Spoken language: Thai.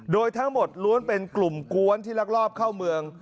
โดยทั้งหมดล้วนเป็นกลุ่มกวนที่ลักลอบเข้าเมือง